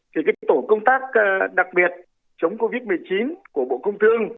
thì cái tổ công tác đặc biệt chống covid một mươi chín của bộ công thương